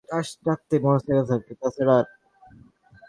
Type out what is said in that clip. আমারও ঠিক সেই অবস্থা।